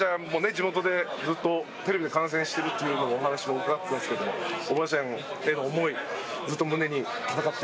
地元でずっとテレビで観戦してるっていうお話を伺ってたんですけどもおばあちゃんへの思いずっと胸に戦っていましたか？